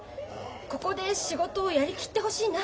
ここで仕事をやりきってほしいな。